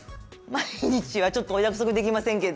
毎日はちょっとお約束できませんけど。